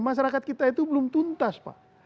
masyarakat kita itu belum tuntas pak